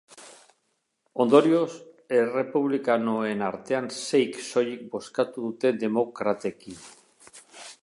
Ondorioz, errepublikanoen artean seik soilik bozkatu dute demokratekin.